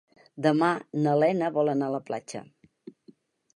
Demà na Lena vol anar a la platja.